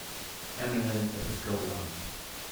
Eminent as a Scholar.